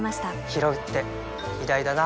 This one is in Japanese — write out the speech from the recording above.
ひろうって偉大だな